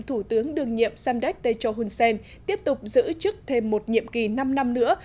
thủ tướng đương nhiệm samdek techo hunsen tiếp tục giữ chức thêm một nhiệm kỳ năm năm nữa